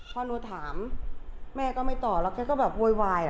พอหนูถามแม่ก็ไม่ตอบแล้วแกก็แบบโวยวาย